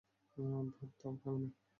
ভাবতে হবে না?